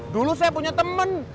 dulu saya punya temen